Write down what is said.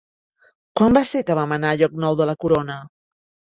Quan va ser que vam anar a Llocnou de la Corona?